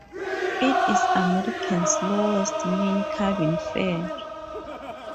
It is American's lowest main cabin fare.